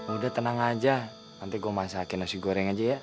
udah tenang aja nanti gue masakin nasi goreng aja ya